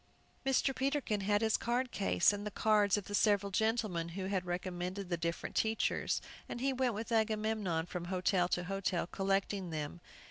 Mr. Peterkin had his card case, and the cards of the several gentlemen who had recommended the different teachers, and he went with Agamemnon from hotel to hotel collecting them.